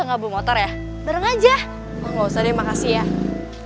neng ya abah misalnyaanceri masik ntar bikin